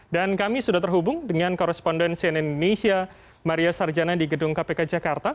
dan kami sudah terhubung dengan koresponden cnn indonesia maria sarjana di gedung kpk jakarta